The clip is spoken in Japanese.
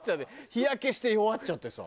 日焼けして弱っちゃってさ。